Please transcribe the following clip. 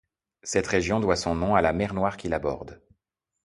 Cette région doit son nom à la mer Noire qui la borde.